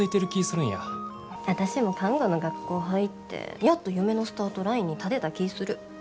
私も看護の学校入ってやっと夢のスタートラインに立てた気ぃする。